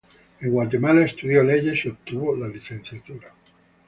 En Guatemala estudió leyes y obtuvo la licenciatura.